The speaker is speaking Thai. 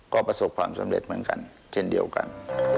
ก็ประสบความสำเร็จเหมือนกันเช่นเดียวกัน